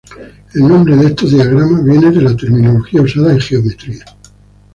El nombre de estos diagramas viene de la terminología usada en geometría.